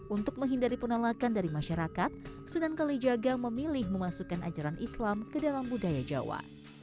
untuk menghindari penolakan dari masyarakat sunan kalijaga memilih memasukkan ajaran islam ke dalam budaya jawa